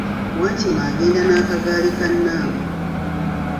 Wankima egenda n'akagaali ka Namu.